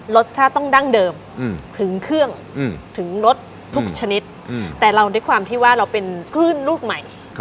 รสชาติต้องดั้งเดิมถึงเครื่องถึงรสทุกชนิดแต่เราด้วยความที่ว่าเราเป็นคลื่นลูกใหม่